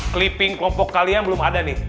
clipping kelompok kalian belum ada nih